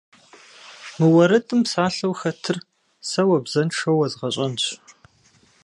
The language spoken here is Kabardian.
Мы уэрэдым псалъэу хэтыр сэ уэ бзэншэу уэзгъэщӏэнщ.